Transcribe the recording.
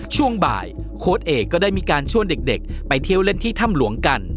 ช่วงบ่ายโค้ดเอกก็ได้มีการชวนเด็กไปเที่ยวเล่นที่ถ้ำหลวงกัน